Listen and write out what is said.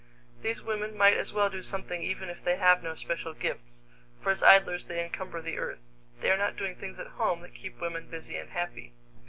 These women might as well do something even if they have no special gifts, for as idlers they encumber the earth. They are not doing things at home that keep women busy and happy.